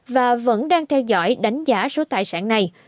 và vẫn đang theo dõi đánh giá số tài sản này